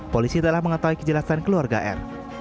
polisi telah mengetahui kejelasan keluarga r